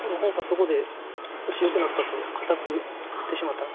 そこで少しよくなったと堅く打ってしまったのかもしれない。